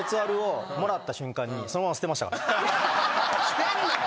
捨てんなよ！